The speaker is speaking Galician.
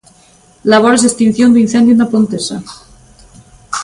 Labores de extinción do incendio na Pontesa.